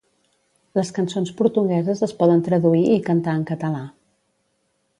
Les cançons portugueses es poden traduir i cantar en català